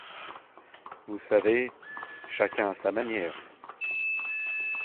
Vous savez… chacun a sa manière.